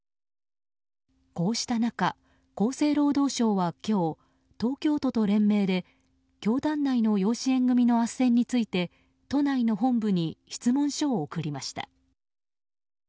こうした中、厚生労働省は今日東京都と連名で教団内の養子縁組のあっせんについて都内の本部に質問書を送りました。